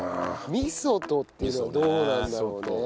味噌とっていうのがどうなんだろうね？